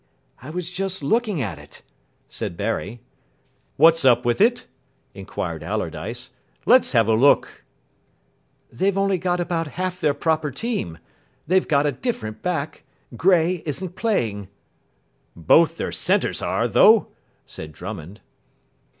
"I was just looking at it," said Barry. "What's up with it?" inquired Allardyce. "Let's have a look." "They've only got about half their proper team. They've got a different back Grey isn't playing." "Both their centres are, though," said Drummond.